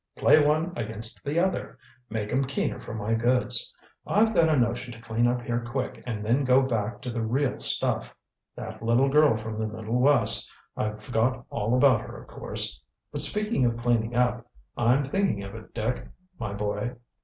Play one against the other make 'em keener for my goods. I've got a notion to clean up here quick and then go back to the real stuff. That little girl from the Middle West I've forgot all about her, of course. But speaking of cleaning up I'm thinking of it, Dick, my boy.